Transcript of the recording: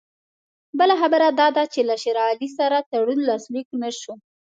بله خبره دا ده چې له شېر علي سره تړون لاسلیک نه شو.